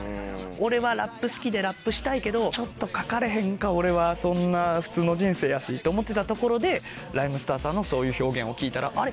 俺はラップ好きでラップしたいけどちょっと書かれへんか俺はそんな普通の人生やしって思ってたところでＲＨＹＭＥＳＴＥＲさんのそういう表現を聴いたらあれ？